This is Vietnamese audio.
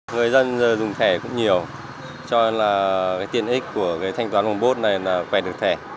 người dân dùng thẻ cũng nhiều cho nên là tiền ích của thanh toán một post này là quẹt được thẻ